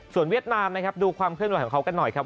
เวียดนามนะครับดูความเคลื่อนไหวของเขากันหน่อยครับ